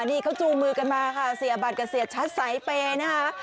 นี่เขาจูงมือกันมาค่ะเสียบัตรกับเสียชัดสายเปย์นะคะ